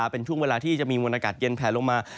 เป็นช่วงเวลาที่จะมีมวลอากาศเย็นแผลลงมา